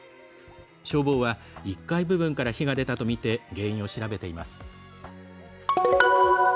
消防は１階部分から火が出たとみて原因を調べています。